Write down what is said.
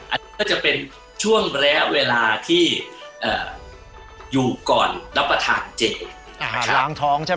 อันนี้ก็จะเป็นช่วงแร้เวลาที่อยู่ก่อนรับประทานเจน